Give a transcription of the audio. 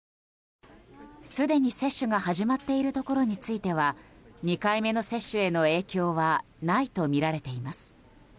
すでに接種が始まっているところについては２回目の接種への影響はないとみられています。